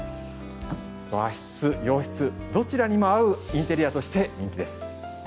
和室洋室どちらにも合うインテリアとして人気です。